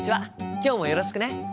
今日もよろしくね。